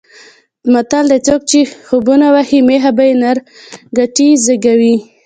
متل دی: څوک چې خوبونه وهي مېښه به یې نر کټي زېږوي.